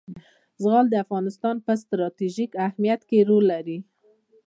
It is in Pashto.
زغال د افغانستان په ستراتیژیک اهمیت کې رول لري.